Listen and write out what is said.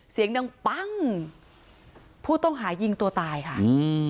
เสียงดังปั้งผู้ต้องหายิงตัวตายค่ะอืม